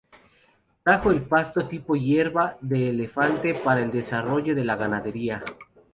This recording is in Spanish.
Trajo el pasto tipo hierba de elefante para el desarrollo de la ganadería.